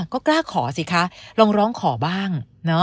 ก็กล้าขอสิคะลองร้องขอบ้าง